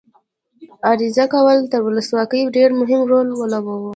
عریضه کول تر ولسواکۍ ډېر مهم رول ولوباوه.